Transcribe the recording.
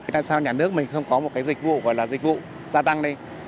tại sao nhà nước mình không có một cái dịch vụ gọi là dịch vụ gia tăng đi